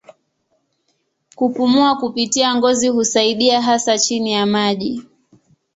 Kupumua kupitia ngozi husaidia hasa chini ya maji.